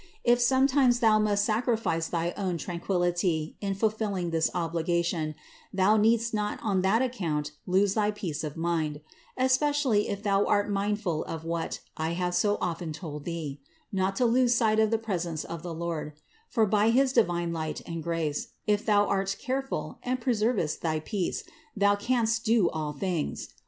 If sometimes thou must sacrifice thy own tranquillity in fulfilling this obligation, thou needst not on that account lose thy peace of mind; especially if thou art mindful of what I have so often told thee : not to lose sight of the presence of the Lord; for by his divine light and grace, if thou art careful and preservest thy peace, thou canst do all things.